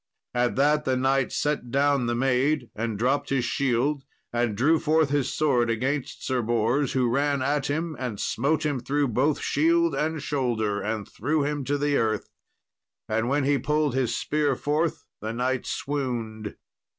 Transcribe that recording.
At that the knight set down the maid, and dropped his shield, and drew forth his sword against Sir Bors, who ran at him, and smote him through both shield and shoulder, and threw him to the earth; and when he pulled his spear forth, the knight swooned.